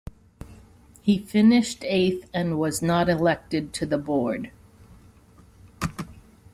He finished eighth, and was not elected to the board.